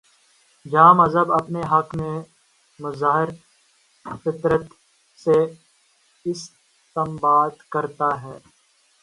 جہاں مذہب اپنے حق میں مظاہر فطرت سے استنباط کر تا ہے۔